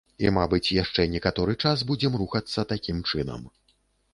І мабыць яшчэ некаторы час будзем рухацца такім чынам.